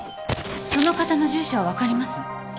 その方の住所分かります？